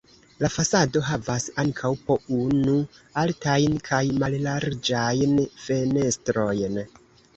La fasado havas ankaŭ po unu altajn kaj mallarĝajn fenestrojn.